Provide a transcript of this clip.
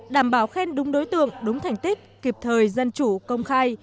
đảm bảo khen đúng đối tượng đúng thành tích kịp thời dân chủ công khai